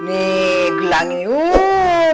nih gelang ini uuuhh